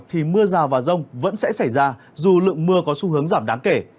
thì mưa rào và rông vẫn sẽ xảy ra dù lượng mưa có xu hướng giảm đáng kể